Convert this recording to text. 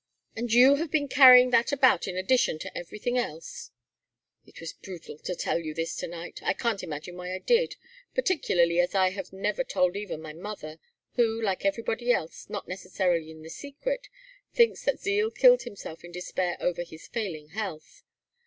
"And you have been carrying that about in addition to everything else?" "It was brutal to tell you this to night! I can't imagine why I did, particularly as I have never told even my mother who, like everybody else not necessarily in the secret, thinks that Zeal killed himself in despair over his failing health.